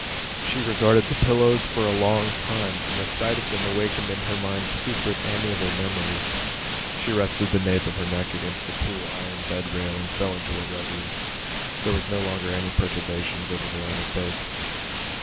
She regarded the pillows for a long time and the sight of them awakened in her mind secret amiable memories. She rested the nape of her neck against the cool iron bed rail and fell into a revery. There was no longer any perturbation visible on her face.